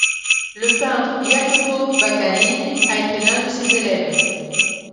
Le peintre Jacopo Baccarini a été un de ses élèves.